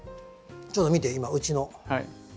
ちょっと見て今うちの。